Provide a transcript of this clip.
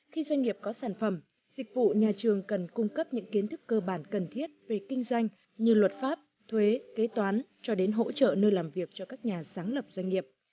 khi doanh nghiệp có sản phẩm dịch vụ nhà trường cần cung cấp những kiến thức cơ bản cần thiết về kinh doanh như luật pháp thuế kế toán cho đến hỗ trợ nơi làm việc cho các nhà sáng lập doanh nghiệp